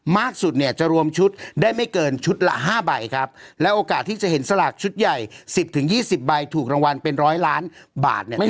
มากสุดเนี่ยจะรวมชุดได้ไม่เกินชุดละห้าใบครับแล้วโอกาสที่จะเห็นสลากชุดใหญ่สิบถึงยี่สิบใบถูกรางวัลเป็นร้อยล้านบาทเนี่ย